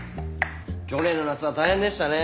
去年の夏は大変でしたね。